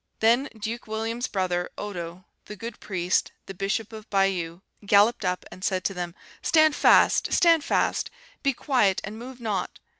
Then Duke William's brother, Odo, the good priest, the Bishop of Bayeux, galloped up, and said to them, 'Stand fast! stand fast! be quiet and move not!